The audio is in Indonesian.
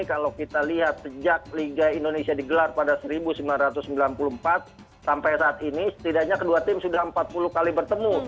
kalau kita lihat sejak liga indonesia digelar pada seribu sembilan ratus sembilan puluh empat sampai saat ini setidaknya kedua tim sudah empat puluh kali bertemu